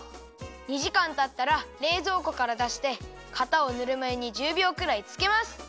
２じかんたったられいぞうこからだしてかたをぬるまゆに１０びょうくらいつけます。